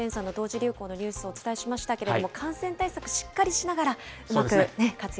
流行のニュースをお伝えしましたけれども、感染対策しっかりしながら、うまく活用